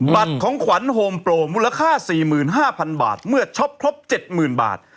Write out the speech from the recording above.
บัตรของขวัญโฮมโปรมูลค่า๔๕๐๐๐บาทเมื่อช็อปครบ๗๐๐๐บาท